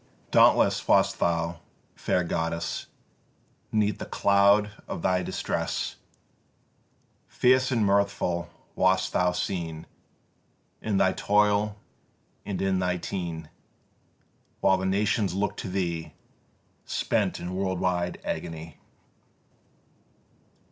Dauntless wast thou, fair goddess, 'Neath the cloud of thy distress; Fierce and mirthful wast thou seen In thy toil and in thy teen; While the nations looked to thee, Spent in worldwide agony.